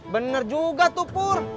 bener juga tuh pur